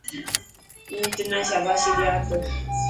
هون تنا شاباشي ڏيا تو.